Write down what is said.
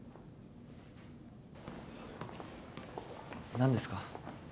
何ですか？